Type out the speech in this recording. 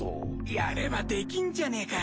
やればできんじゃねえか！